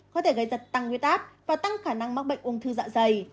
có thể gây tật tăng huyết áp và tăng khả năng mắc bệnh ung thư dạ dày